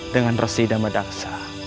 dengan resi damadaksa